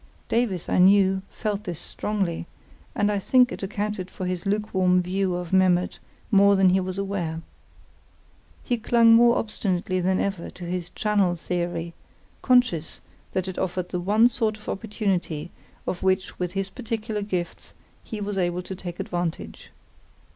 Davies, I knew, felt this strongly, and I think it accounted for his lukewarm view of Memmert more than he was aware. He clung more obstinately than ever to his "channel theory", conscious that it offered the one sort of opportunity of which with his peculiar gifts he was able to take advantage.